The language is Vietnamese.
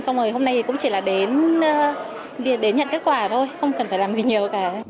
xong rồi hôm nay thì cũng chỉ là đến nhận kết quả thôi không cần phải làm gì nhiều cả